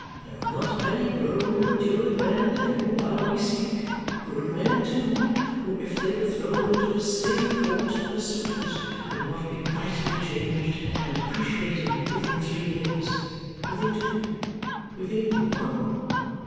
There are not many grown and matured men living while we speak, good men too, who if they were thrown into this same court as suitors would not be vitally changed and depreciated within three years within two within one.